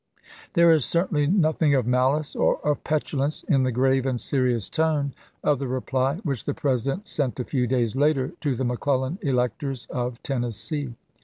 There is certainly nothing of malice or of petulance in the grave and serious tone of the reply which the President sent a few days later to the McClellan electors of Ten nessee.